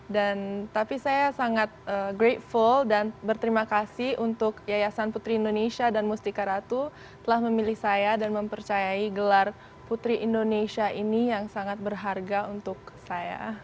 dan tapi saya sangat berterima kasih dan berterima kasih untuk yayasan putri indonesia dan mustika ratu telah memilih saya dan mempercayai gelar putri indonesia ini yang sangat berharga untuk saya